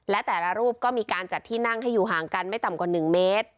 และแต่ละรูปก็มีการจัดที่นั่งให้อยู่ห่างกันไม่ต่ำกว่า๑เมตร